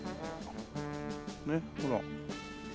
ねっほら。